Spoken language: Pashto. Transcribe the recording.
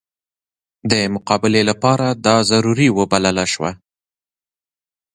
د مقابلې لپاره دا ضروري وبلله شوه.